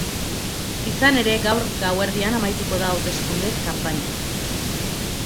Izan ere, gaur gauerdian amaituko da hauteskunde kanpaina.